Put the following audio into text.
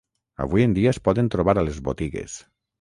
Avui en dia es poden trobar a les botigues.